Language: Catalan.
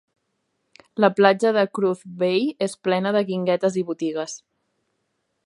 La platja de Cruz Bay és plena de guinguetes i botigues.